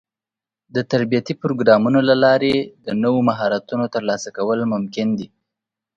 د تربيتي پروګرامونو له لارې د نوو مهارتونو ترلاسه کول ممکن دي.